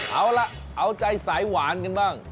เอาล่ะเอาใจสายหวานกันบ้าง